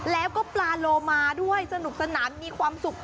แล้วก็ปลาโลมาด้วยสนุกสนานมีความสุข